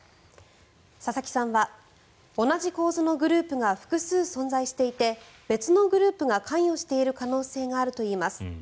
佐々木さんは同じ構図のグループが複数存在していて別のグループが関与している可能性があるといいます。